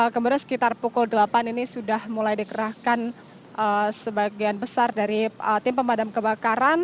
kemudian sekitar pukul delapan ini sudah mulai dikerahkan sebagian besar dari tim pemadam kebakaran